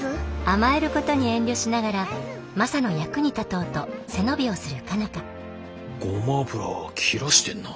甘えることに遠慮しながらマサの役に立とうと背伸びをする佳奈花ゴマ油切らしてんな。